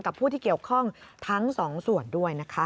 ผู้ที่เกี่ยวข้องทั้งสองส่วนด้วยนะคะ